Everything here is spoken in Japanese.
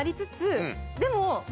でも。